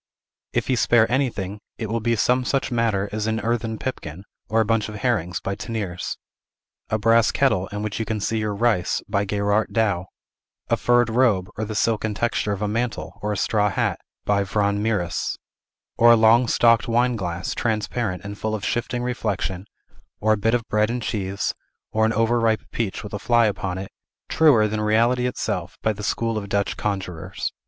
If he spare anything, it will be some such matter as an earthen pipkin, or a bunch of herrings by Teniers; a brass kettle, in which you can see your rice, by Gerard Douw; a furred robe, or the silken texture of a mantle, or a straw hat, by Van Mieris; or a long stalked wineglass, transparent and full of shifting reflection, or a bit of bread and cheese, or an over ripe peach with a fly upon it, truer than reality itself, by the school of Dutch conjurers.